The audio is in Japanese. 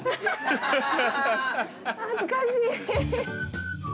恥ずかしい。